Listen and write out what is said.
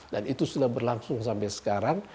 dan itu sudah berlangsung sampai sekarang